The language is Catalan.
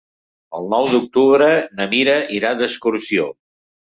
El nou d'octubre na Mira irà d'excursió.